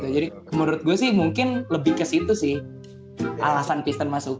jadi menurut gue sih mungkin lebih kesitu sih alasan pistons masukin